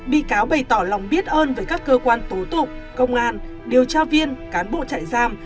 bị cáo bày tỏ lòng biết ơn với các cơ quan tố tụng công an điều tra viên cán bộ trại giam